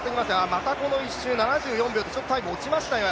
またこの１周７４秒で、またちょっとタイム落ちましたよ。